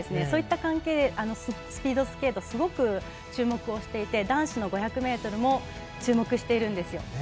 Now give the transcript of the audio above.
そういった関係でスピードスケートすごく注目していて男子の５００ｍも注目しているんですよ。